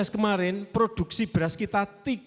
dua ribu delapan belas kemarin produksi beras kita tiga puluh tiga